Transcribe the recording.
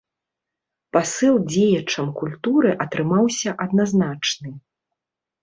Пасыл дзеячам культуры атрымаўся адназначны.